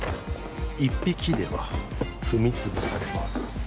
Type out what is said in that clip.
一匹では踏み潰されます